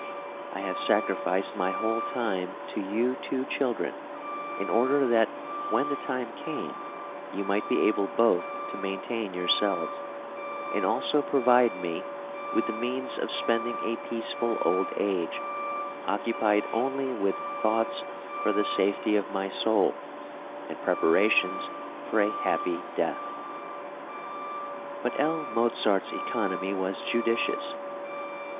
I have sacrificed my whole time to you two children in order that when the time came you might be able {EARLY MANHOOD.} (338) both to maintain yourselves, and also provide me with the means of spending a peaceful old age, occupied only with thoughts for the safety of my soul, and preparations for a happy death." But L. Mozart's economy was judicious.